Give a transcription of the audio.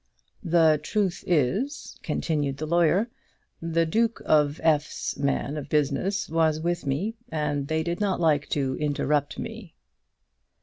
"The truth is," continued the lawyer, "the Duke of F 's man of business was with me, and they did not like to interrupt me."